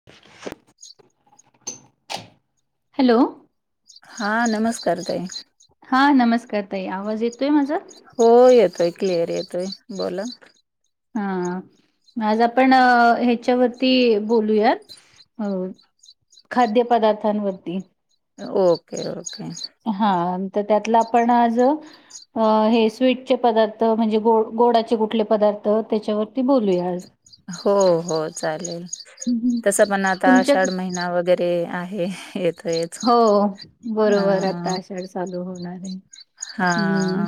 [inaudible] Hello हा नमस्कार तई हां नमस्कार ताई आवाज येतो आहे माझा हो येतोय क्लिअर येतोय बोला हा आज आपण ह्याच्यावरती बोलूयात अ खाद्य पदार्थांवरती ओके ओके हा तर त्यातलं आपण आज अ हे स्वीटचे पदार्थ म्हणजे गो गोडाचे कुठले पदार्थ त्याच्यावरती बोलूया आज हो हो चालेल हम्म तस पण आता तुमच्या आषाढ महिना वगैरे ते आहे येत य हो बरोबर आता आषाढ चालू होणार आहे हा हम्म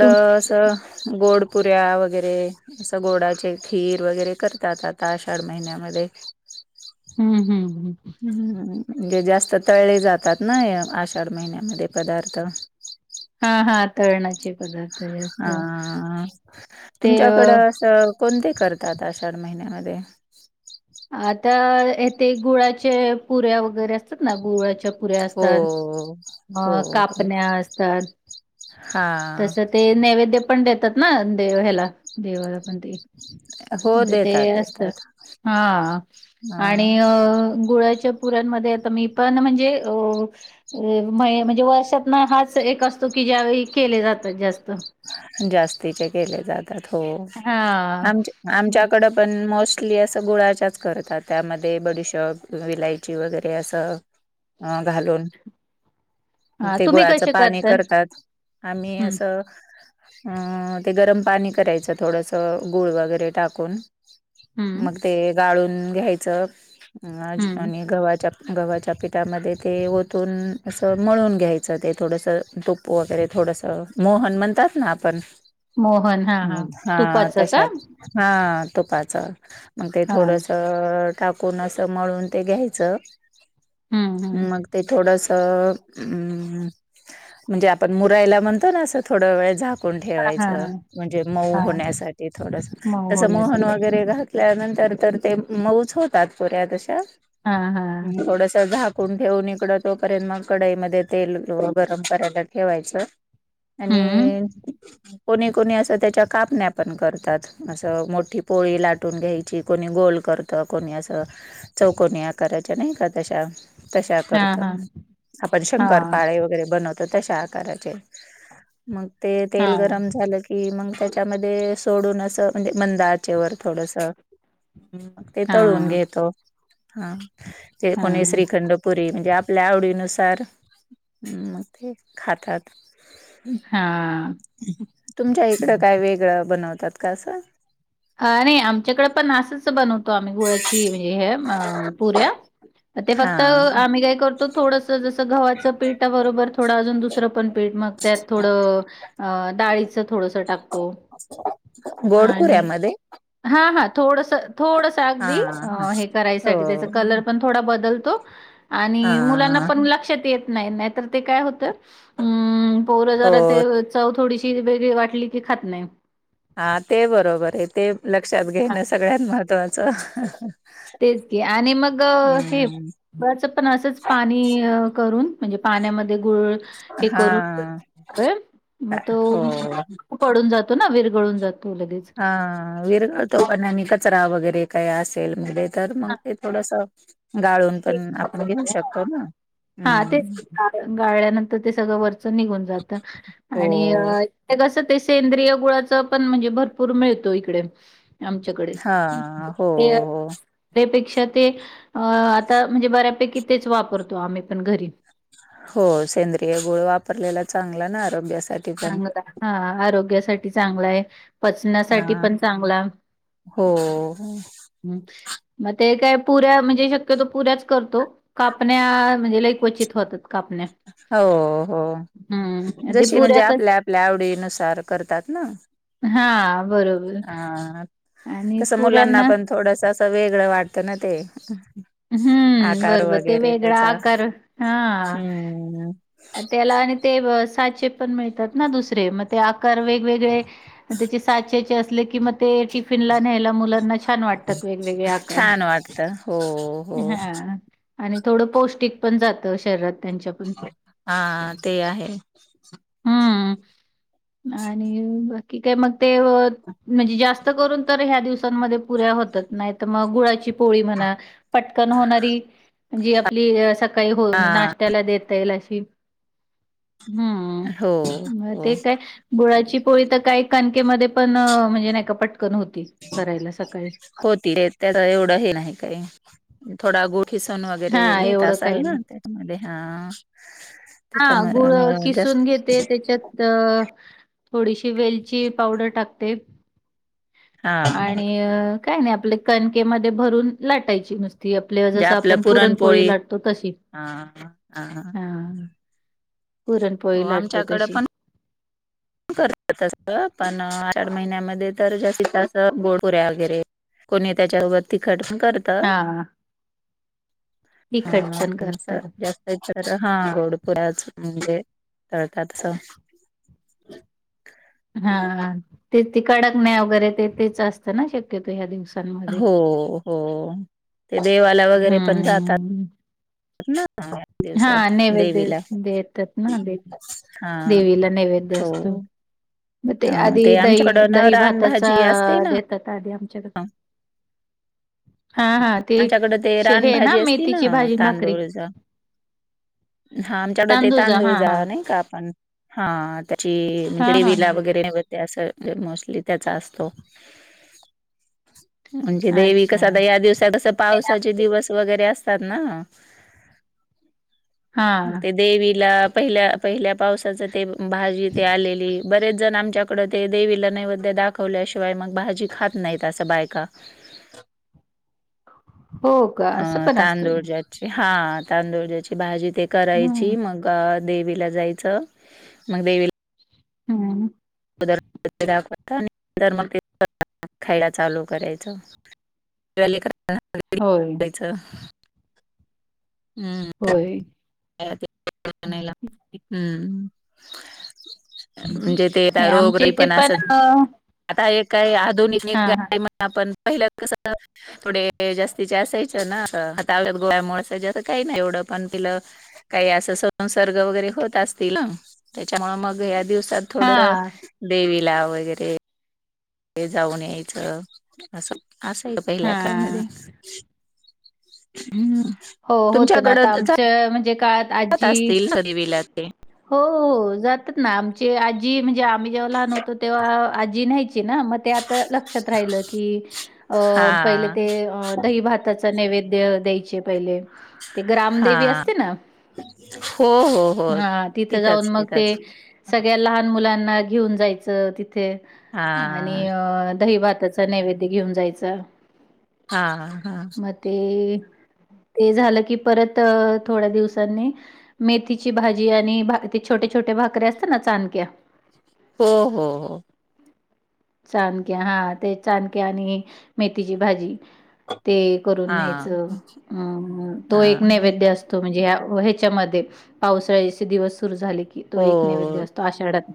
तुम गोडपुऱ्या वगैरे असं गोडाचे खीर वगैरे करतात आता आषाढ महिन्यामध्ये हम्म हम्म हम्म ह् म्हणजे जास्त तळेले जातात ना आषाढ महिन्यामध्ये पदार्थ हा हा तळणाचे पदार्थ जास्त हा ते अ तुमच्याकडं असं कोणते करतात आषाढ महिन्यामध्ये आता येथे गुळाच्या पुऱ्या वगैरे असतात ना गुळाच्या ऱ्या हो असतात हो अ हो कापण्या असतात हां तस ते नैवेद्य पण देतात ना दे ह्याला देवाला पण हो ते ते देतात असत देतात हा आणि हां गुळाच्या पुरमध्ये आता मी पण म्हणजे म्हणजे वर्षात ना हाच एक असतो की ज्यावेळी केले जातात जास्त जास्तीचे केले जातात हो हा आमच्या मग आमच्याकड पण मोस्टली असं गुळाच्याच करतात त्यामध्ये बडशप विलायची वगैरे असं ह घालून हा ते तुम्ही गुळाचं कसे पाणी करतात आम्ही हम्म असं अ ते गरम पाणी करायचं थोडस गुळ वगैरे टाकून हम्म मग ते गाळून घ्यायचं हम्म आणि गव्हाच्या गव्हाच्या पिठामध्ये ते ओतून असं मळून घ्यायचं ते थोडंसं तुप वगैरे थोडसं मोहन म्हणतात ना आपण मोहन हा तुपाचं का तशत हा तुपाच मग ते हा थोडस टाकून अस मळून ते घ्यायच हम्म हम्म मग ते थोड म्हणजे आपण मुरायला म्हणतो ना असं थोड वेळ झा हां, ठेवायच हां, हां, म्हणजे मऊ हां. होण्यासाठी थोडस मऊ तस मोहन होण्यासाठी. वगैरे घ ल्यानंतर तर ते मऊच होतात पोऱ्या तशा हां, हां. थोडश झा खून ठेवन इकडं तोपर्यंत मग कडाईमध्ये तेल गरम करायला ठेवायचं. हं. आणि कोणी कोणी असं त्याच्या कापण्या पण करतात. असं मोठी पोळी लाटून घ्यायची कोणी गोल करत कोणी असं. चौक नि आकारच आणि कदशा तशा हां, करत हां. आपण शंकर हां, पाळे वगैरे बनवतो तशा मग ते ते हां, गरम झा कि मग त्याच्यामध्ये सोडून असं म्हणजे मंद आचे वर थोडस मग ते तळून हां, घेतो हा ते कोणी हां, श्रीखंड पुरी म्हणजे आपल्या आवडीनुसार मग ते खातात. हा तुमच्या इकड काय वेगळं बनवतात का असं ह नाही आमच्याकडें पण असंच बनवत म्ही गुळाची म्हे पुऱ्या ते हा फक्त आम्ही काय करतो थोड जस गव्हाचं पेट आहे बरोबर थोडं अजून दुसरं पण पेठ मग त्यात थोडं अ डाळीचं थोडस टाकतो. गोडखुऱ्यामध्ये हा हा थोडस थोडस हा अगदी हा हे करायसाठी त्याच हो. कलर पण थोडा बदलतो आणि मुलांना हा पण लक्षात येत. नाही नाही तर ते काय होत् पोर जरा ते हो. चव थोडीशी वेगळी वाटली की खात नाही. हा ते बरोबर आहे ते लक्षात हां. घेणं सगळ्यात महत्वाचं तेच की आणि मग हेचं पण असंच पाणी करून म्हणजे पाण्यामध्ये गुळ हे करून हा. मग हो तो पडून जातो ना विरगळून जातो लगेच हा विरगळतो पण कचरा वगैरे काही असेल म्ह तर मग हां, ते थोडस गाळून पण आपण घेऊ शकतो ना, हा तेच हम्म गाळल्यानंतर ते सगळं वरच निघून जात आणि हो. कसं ते सेंद्रिय गुळाच पण म्हणजे भरपूर मिळतो इकडे, आमच्याकडे हा हो, हो, ते त्या पेक्षा ते अ आता म्हणजे बऱ्यापैकी तेच वापरतो आम्ही पण घरी हो सेंद्रिय गुळ वापरलेला चांगला ना आरोग्यासाठी पण. चांगला हा आरोग्यासाठी चांगला आहे हा पचनासाठी पण चांगला हो म मग ते काय पुऱ्या म्हणजे शक्यतो पुऱ्याच करतो कापण्या म्हणजे ल क्वचित होत. हो हो हं, ते जशी म्हणजे पुऱ्या कसं आपल्या आपल्या आवडीनुसार करतात ना, हा बरोबर अ आणि कसं मुलांना पुर्यांना पण थोडस असं वेगळं वाटतं ना ते, हं, आकार बरोबर ते वगैरे वेगळा त्याचा आकार हां. हम्म त्याला आणि ते साचे पण मिळतात ना दुसरे मग ते आकार वेगवेगळे त्याचे साचेचे असले की मग ते टिफिनला न्यायला मुलांना छान वाटतात वेगवेगळे आकार छान वाटत हो हो हा आणि थोडं पौष्टिक पण जातं शरीरात त्यांच्या पण हा ते आहे. हम्म आणि बाकी काय मग ते म्हणजे जास्त करून तर ह्या दिवसांमध्ये पुऱ्या होतच नाहीत मग गुळाची ळी म्हणा पटकन होणारी जी आपली सकाळी हो हा त्याला देता येईल अशी हो, हम्म म हो ते काय बुळाची पोळी तर काय कानकेमध्ये पण म्हणजे नाहीका पटकन होती करायला सकाळी होती रे त्या तर एवढं हे नाही काही थोडा गु खिसन हा वगैरे घेत एवढं असाल काही ना नाही. त्याच्यामध्ये हा हा त्याच्यामध्ये गुळ मग जास्त किसून घेते त्याच्यात तर थोडीशी वेलची पावडर टाकते हा आणि काय नाही आपल्या कणकेमध्ये भरून लाटायची नुस्ती आपल्या जे जस आपलं आपण पुरणपोळी लाटतो तशी हा हा हो पुरणपोळी लाटतो तशी करत तस पण चार महिन्यामध्ये तर ज तसं गोडपुऱ्या वगैरे कोणी त्याच्याबोबत तिखट पण करत हा हा तिखट पण त करतात जास्त तर हा घोडपुऱच म्हणजे तळकातस ह हा ते त कडकण्या वगैरे ते तेच असतं ना शक्यतो ह्या दिवसांमध्ये हो हो ते देवाला वगैरे पण जातात हम्म हा हा दिवसात नैवेद्य देवीला देतात ना दे हा देवीला नैवेद्य हो असतो. मग ते अ, आधी दही आमच्याकडं ना दही भाताचा रानभाजी असते ना, देतात आधी आमच्याकडे हा हा ते आमच्याकडं ते हे ना रानभाजी असती मेथीची भाजी भाकरी हा आमच्याकड ते तांदूजा तांदूळ हा हा जाव नाही का आपण हा त्याची हा म्हणजे हा हा विला वगैरे अस मोस्टली त्याचा असतो म्हणजे देवी अच्छा कस आता या दिवसा कस पावसाचे दिवस व हा देवीला पहिल्या पहिल्या पावसाच ते भाजी ते आलेली बरेच जण आमच्याकडे ते देवीला नैवद्य दाखवल्याशिवाय मग भाजी खात नाहीत असं बायका हो का अ असं पण असतं का? तांदूळज्याची हा तांदूुळज्याची भाजी ते करायची हम्म मग देला जाच मग हम् ते खायला चालू करायच [inaudible] होय च होय हम्म म्हणजे ते रोग आमच्या र इथे पण असत अ, आता एक काही आधुनिक हा निा हा आपण पहिल्या कस थोडे जास्तीचे असायचं ना हातावत गोळ्यामुळेळ असस्त काही नाही एवढं पण तिलं काही अस संसर्ग वगैरे होत असतील त्याच्यामुळे मग या दिवसात हा थोड देवीला वगैरे हे जाऊन यायचं असं असंय का पहिल्या काळमध्ये हा हं हो होत ना आता आमचं म्हणजे काय अस सरी वल्या ते हो जातात ना आमची आजी म्हणजे आम्ही जेव्हा लहान होतो तेव्हा आजी न्यायची ना मग लक्षात राहि क हा पहि भाताचा नैवेद्य द्यायचे पहिले ते ग्रामदेवी हा असते ना हो हो हो तिथे जाऊन तिथंच मग ते तिथंच सगळ्या लहान मुलांना घेऊन जायचं तिथे हा आणि अ दही भाताचा नैवेद्य घेऊन जायचं हा हा म ते झालं की परत थोड्या दिवसांनी मेथीची भाजी आणि ते छोटे छोटे भाके असतात ना चचाानक्या हो हो हो चाणक्या हा ते चादक्या आणि मेथीची भाजी ते करून हा न्यायच हा तो एक हा. नैवेद्य असत म्हणजे ह ह्याच्यामध्ये पावसाळ्याचे दिवस सुरु झाले की तो एक नैद असतो तो आशाढत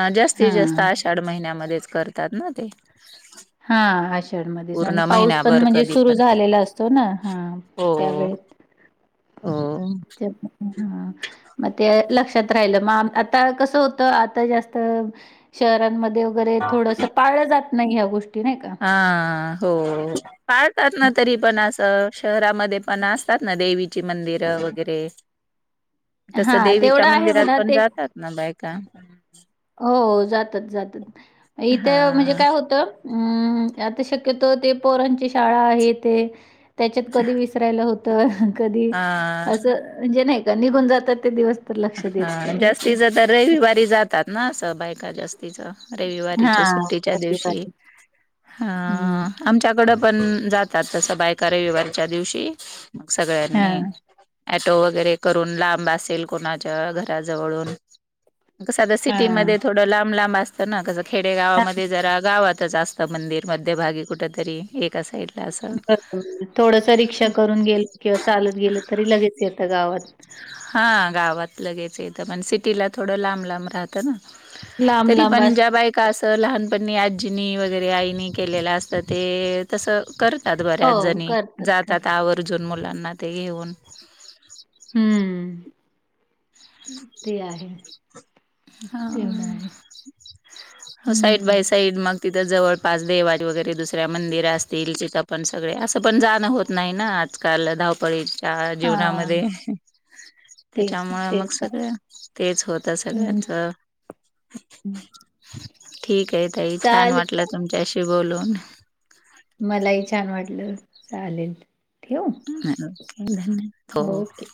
अ जास्तीत जास्त आषाढ महिन्यामध्येच करतात ना ते हा आषाढ मध्येच पूर्ण आणि पाऊस पण महिनाभर म्हणजे कधी सुरू पण झालेला असतो ना हा त्यावेळ ह हा मग ते लक्षात राहिलं मग आता कसं होतं आता जास्त शहरांमध्ये वगैरे थोडस पाळलं जात नाही ह्या गोष्टी नाही का हा हो पाळतात ना हां, तरी पण असं शहरामध्ये पण असतात ना देवीची मंदिरं वगैरे ह तस देवीच्या मंदिरात पण जातात ना बायका हो जातच जातात इथं म्हणजे हा काय होतं अम् आता शक्यतो ते पोरांची शाळा आहे ते त्याच्यात कधी विसरायला होत कधी हा असं म्हणजे नाही का निघून जातात ते दिवस तर लक्ष देत हा असं जास्तीच तर रविवारी जातात ना असं बायका जास्तीच रविवारीचे हां, सुट्टीच्या दिवशी प्रतिभाताई. अ हं. आमच्याकड पण जात तसं बायका रविवारीच्या दिवशी मग सगळ्यांनी हां, टो वगैरे करून लांब असेल कोणाच्या घराजवळून कसं आता सिटीमध्ये हां. थोडं लांब लांब असतं ना कसं खेडेगावामध्ये जरा गावातच असत मंदिर मध्यभागी कुठ तरी एक असईड बरोब थोडस रिक्षा करून गेलं किंवा चालत गेलं तरी लगेच येतं गावात हा गावात लगेचं इथ पण सिटीला थोडं लांब लांब राहतं ना तरी लांब-लांब पण ज्या असतात. बायक का असं लहानपणीणी आजीनी वगैरे आईनी केलेलं असतं ते तसं कर ात बऱ्याच हो, जणी करतात, जातात करतात. आवर्जून मुलांना ते घेऊन हम्म ते आहे तेवढं आहे. हा सईड हं. बय सईड मग तिथं जवळपास देवाात वगैरे दुसऱ्या मंदिर असतील तिथं पण सगळे असं पण जाणं होत नाही ना आ आजकाल धावपळीच्या हां. जीवनामध्ये तेच त्याच्यामुळे तेच मग सगळ तेच होतं सगळ्यां हम्म ठीक आहे तई छान चालेल वाटलं तुमच्याशी बोलून मलाही छान वाटलं चालेल ठेऊ हो ओके